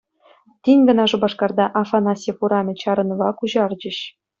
Тин кӑна Шупашкарта «Афанасьев урамӗ» чарӑнӑва куҫарчӗҫ.